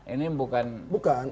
ini bukan ini bukan